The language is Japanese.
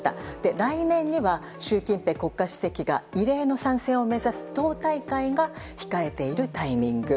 来年には習近平国家主席が異例の３選を目指す党大会が控えているタイミング。